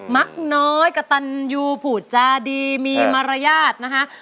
มักน้อยกะตันอยู่ผูดจะดีมีภาพร่อมาอย่างไร